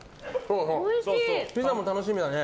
ピザも楽しみだね。